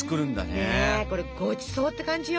これごちそうって感じよ。